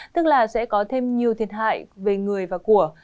tức là sẽ có thêm nhiều thiệt hại về người và của